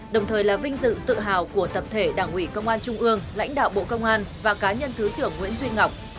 đồng thời là vinh dự tự hào của tập thể đảng ủy công an trung ương lãnh đạo bộ công an và cá nhân thứ trưởng nguyễn duy ngọc